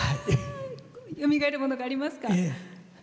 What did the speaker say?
よみがえるものがありますか。